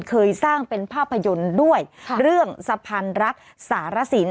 เคยสร้างเป็นภาพยนตร์ด้วยเรื่องสะพานรักสารสิน